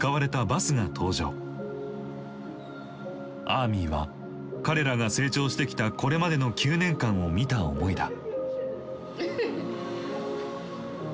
アーミーは彼らが成長してきたこれまでの９年間を見た思いだ。